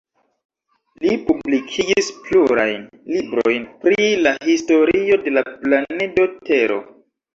Li publikigis plurajn librojn pri la historio de la planedo Tero.